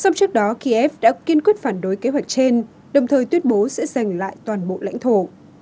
xong trước đó kiev đã kiên quyết phản đối kế hoạch trên đồng thời tuyên bố sẽ giành lại toàn bộ lãnh thổ